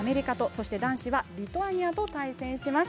そして、男子はリトアニアと対戦します。